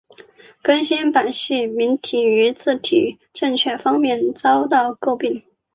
更新版细明体于字形正确方面都遭到诟病。